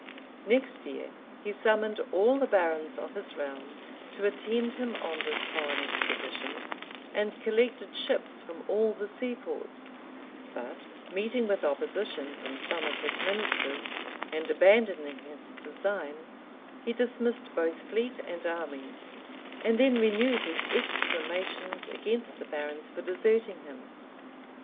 Next year, he summoned all the barons of his realm to attend him on this foreign expedition, and collected ships from all the seaports; but meeting with opposition from some of his ministers, and abandoning his design, he dismissed both fleet and army, and then renewed his exclamations against the barons for deserting him.